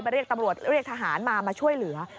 เรียกตำรวจเรียกทหารมามาช่วยเหลือ